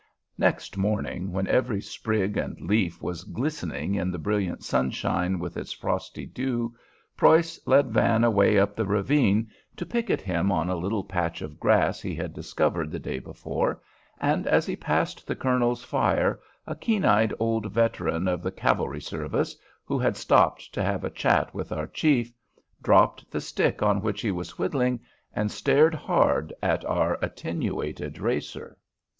Next morning, when every sprig and leaf was glistening in the brilliant sunshine with its frosty dew, Preuss led Van away up the ravine to picket him on a little patch of grass he had discovered the day before and as he passed the colonel's fire a keen eyed old veteran of the cavalry service, who had stopped to have a chat with our chief, dropped the stick on which he was whittling and stared hard at our attenuated racer.